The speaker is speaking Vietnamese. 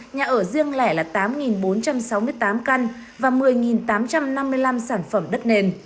nhà ở riêng lẻ là tám bốn trăm sáu mươi tám căn và một mươi tám trăm năm mươi năm sản phẩm đất nền